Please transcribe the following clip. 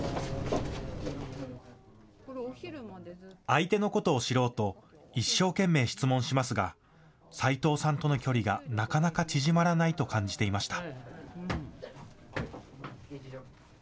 相手のことを知ろうと一生懸命質問しますが斎藤さんとの距離がなかなか縮まらないと感じていました。